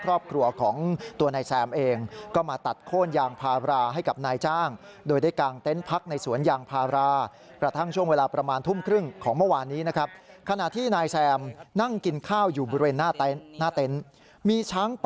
โอโฮตัวนั้นใหญ่เลยฮะ